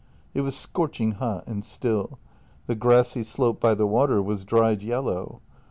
It was scorching hot and still; the grassy slope by the water was dried yellow.